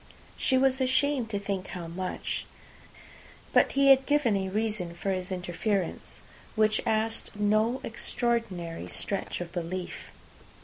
She was ashamed to think how much. But he had given a reason for his interference, which asked no extraordinary stretch of belief.